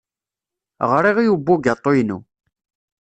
Ɣriɣ i ubugaṭu-inu.